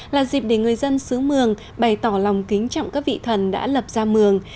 là dịp để người dân xứ mường bày tỏ lòng kính trọng các vị thần đã lập ra mường